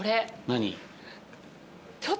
何？